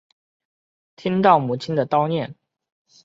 听到母亲的叨念